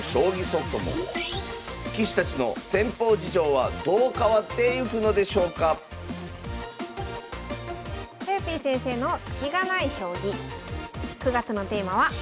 棋士たちの戦法事情はどう変わってゆくのでしょうかとよぴー先生の「スキがない将棋」。